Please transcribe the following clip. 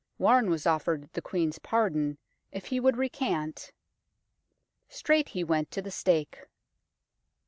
Warne was offered the Queen's pardon if he would recant. Straight he went to the stake.